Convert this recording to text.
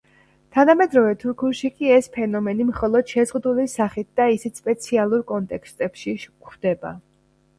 თანამედროვე თურქულში კი ეს ფენომენი მხოლოდ შეზღუდული სახით და ისიც სპეციალურ კონტექსტებში გვხვდება.